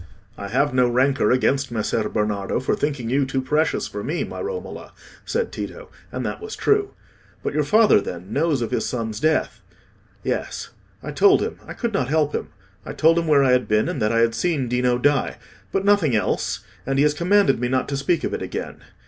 "I have no rancour against Messer Bernardo for thinking you too precious for me, my Romola," said Tito: and that was true. "But your father, then, knows of his son's death?" "Yes, I told him—I could not help it. I told him where I had been, and that I had seen Dino die; but nothing else; and he has commanded me not to speak of it again.